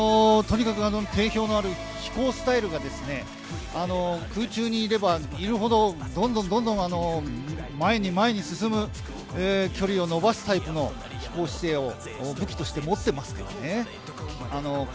とにかく定評のある飛行スタイルがですね、空中にいればいるほど、どんどん前に前に進む距離を伸ばすタイプの飛行姿勢を武器として持っていますからね。